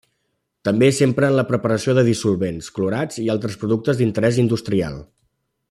També s'empra en la preparació de dissolvents clorats i altres productes d'interès industrial.